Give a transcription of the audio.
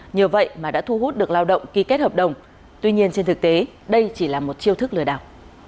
nhờ vậy mà đã thu hút được lao động ký kết hợp đồng tuy nhiên trên thực tế đây chỉ là một chiêu thức lừa đảo